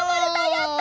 やった！